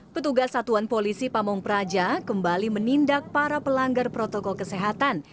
petugas satuan polisi pamung praja kembali menindak para pelanggar protokol kesehatan